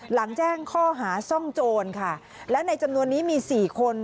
หลังแจ้งข้อหาซ่องโจรค่ะและในจำนวนนี้มี๔คน